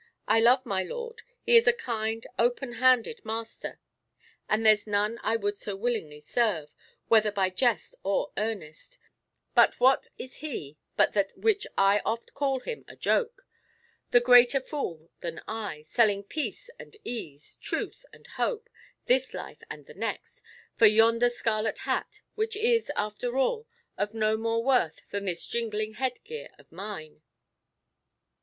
I love my lord; he is a kind, open handed master, and there's none I would so willingly serve, whether by jest or earnest, but what is he but that which I oft call him in joke—the greater fool than I, selling peace and ease, truth and hope, this life and the next, for yonder scarlet hat, which is after all of no more worth than this jingling head gear of mine."